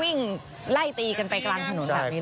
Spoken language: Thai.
วิ่งไล่ตีกันไปกลางถนนค่ะ